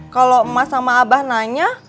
kalau mas sama abah nanya